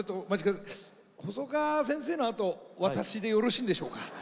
細川先生のあと私でよろしいんでしょうか。